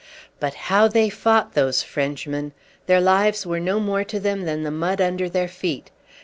But how they fought, those Frenchmen! Their lives were no more to them than the mud under their feet.